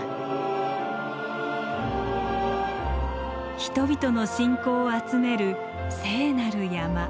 人々の信仰を集める聖なる山。